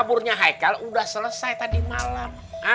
kaburnya heikal udah selesai tadi malam